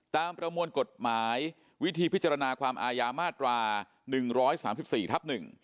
ประมวลกฎหมายวิธีพิจารณาความอายามาตรา๑๓๔ทับ๑